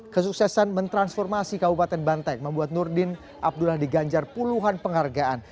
kesuksesan mentransformasi kabupaten banteng membuat nurdin abdullah diganjar puluhan penghargaan